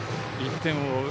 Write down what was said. １点を追う